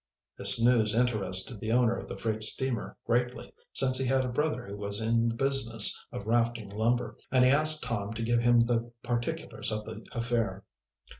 This news interested the owner of the freight steamer greatly, since he had a brother who was in the business of rafting lumber, and he asked Tom to give him the particulars of the affair.